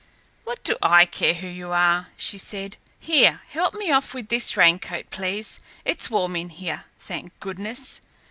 "What do I care who your are?" she said. "Here, help me off with this raincoat, please. It's warm in here, thank goodness!"